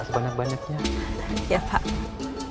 sebanyak banyaknya iya pak